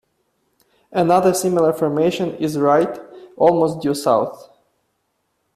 Another similar formation is Wright almost due south.